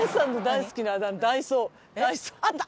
あった！